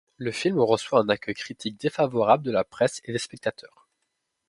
Le film reçoit un accueil critique défavorable de la presse et des spectateurs.